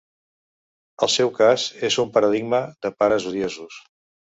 El seu cas és un paradigma de pares odiosos.